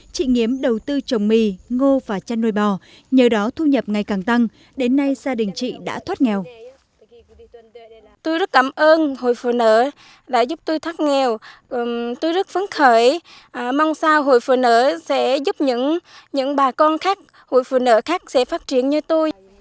chị nghiếm đầu tư trồng mì ngô và chăn nuôi bò nhờ đó thu nhập ngày càng tăng đến nay gia đình chị đã thoát nghèo